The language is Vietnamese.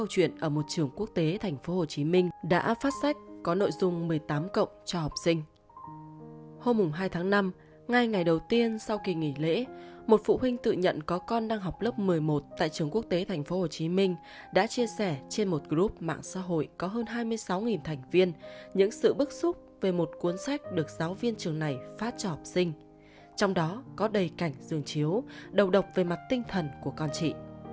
hôm hai tháng năm ngay ngày đầu tiên sau kỳ nghỉ lễ một phụ huynh tự nhận có con đang học lớp một mươi một tại trường quốc tế tp hcm đã chia sẻ trên một group mạng xã hội có hơn hai mươi sáu thành viên những sự bức xúc về một cuốn sách được giáo viên trường này phát cho học sinh trong đó có đầy cảnh dường chiếu đầu độc về mặt tinh thần của con chị